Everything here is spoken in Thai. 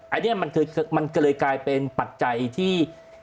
อันนี้มันก็เลยกลายเป็นปัจจัยที่